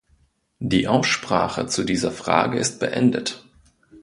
Die Aussprache zu dieser Frage ist beendet.